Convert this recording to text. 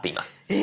え！